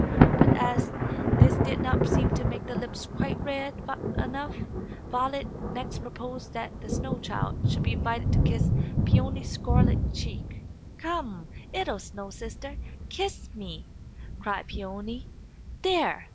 But, as this did not seem to make the lips quite red enough, Violet next proposed that the snow child should be invited to kiss Peony's scarlet cheek. "Come, 'ittle snow sister, kiss me!" cried Peony. "There!